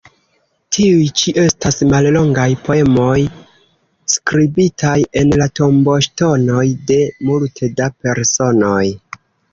Tiuj ĉi estas mallongaj poemoj skribitaj en la tomboŝtonoj de multe da personoj.